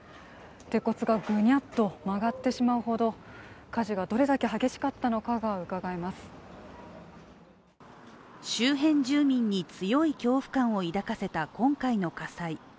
鉄骨がぐにゃっと曲がってしまうほど、火事がどれだけ激しかったのかが伺えます周辺住民に強い恐怖感を抱かせた今回の火災。